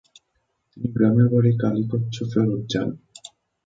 তিনি গ্রামের বাড়ি কালিকচ্ছ ফেরৎ যান।